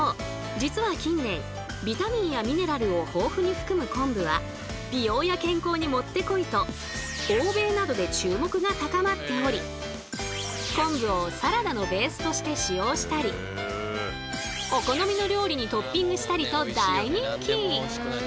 実は近年ビタミンやミネラルを豊富に含む昆布は美容や健康にもってこいと昆布をサラダのベースとして使用したりお好みの料理にトッピングしたりと大人気！